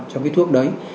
trong cái thuốc đấy